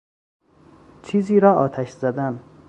چیزی را آتش زدن